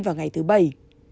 vào ngày thứ bảy